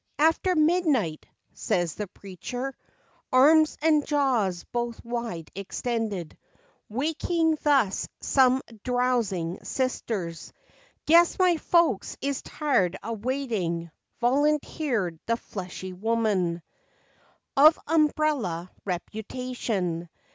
" After midnight," says the preacher, Arms and jaws both wide extended, Waking thus some drowsing sisters. " Guess my folks is tired a waiting," Volunteered the fleshy woman 120 FACTS AND FANCIES. Of umbrella reputation.